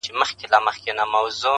کورنۍ ورو ورو تيت کيږي تل,